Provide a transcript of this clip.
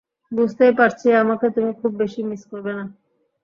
বুঝতেই পারছি আমাকে তুমি খুব বেশি মিস করবে না।